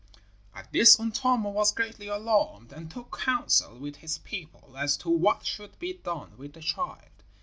At this Untamo was greatly alarmed, and took counsel with his people as to what should be done with the child.